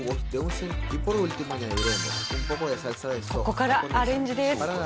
ここからアレンジです。